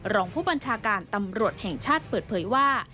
รองผู้บัญชาการตำรวจแห่งชาติเปิดเผยว่า